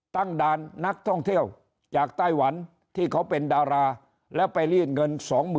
ตั้งด่านนักท่องเที่ยวจากไต้หวันที่เขาเป็นดาราแล้วไปรีดเงิน๒๐๐๐